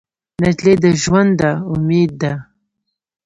نجلۍ د ژونده امید ده.